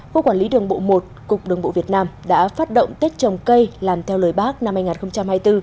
quốc quản lý đường bộ một cục đường bộ việt nam đã phát động tết trồng cây làm theo lời bác năm hai nghìn hai mươi bốn